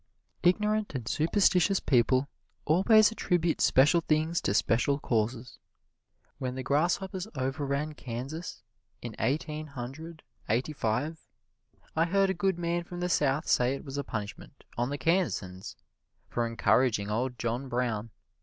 Ignorant and superstitious people always attribute special things to special causes. When the grasshoppers overran Kansas in Eighteen Hundred Eighty five, I heard a good man from the South say it was a punishment on the Kansans for encouraging Old John Brown.